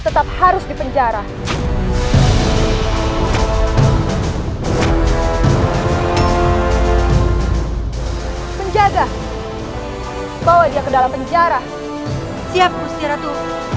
tetap harus dipenjara penjaga bawa dia ke dalam penjara siap usir itu